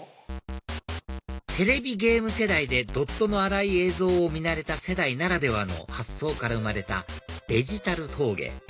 テレビゲーム世代でドットの粗い映像を見慣れた世代ならではの発想から生まれたデジタル陶芸